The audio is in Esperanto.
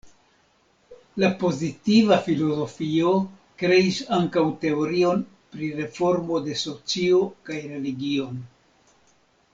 La pozitiva filozofio kreis ankaŭ teorion pri reformo de socio kaj religion.